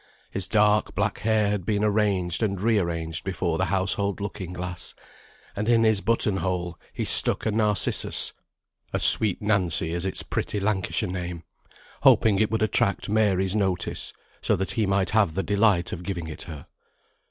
His dark black hair had been arranged and re arranged before the household looking glass, and in his button hole he stuck a narcissus (a sweet Nancy is its pretty Lancashire name), hoping it would attract Mary's notice, so that he might have the delight of giving it her.